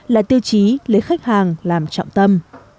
là tiêu chí lấy khách hàng làm trọng tâm